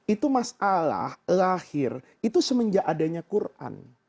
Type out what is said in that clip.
itu masalah lahir itu semenjak adanya quran